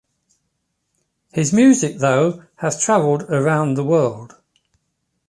His music though has traveled around the world.